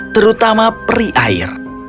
terutama peri air